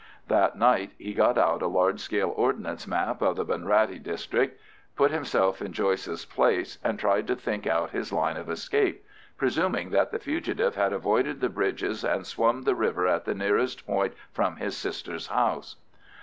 That night he got out a large scale Ordnance map of the Bunrattey district, put himself in Joyce's place, and tried to think out his line of escape, presuming that the fugitive had avoided the bridges and swum the river at the nearest point from his sister's house.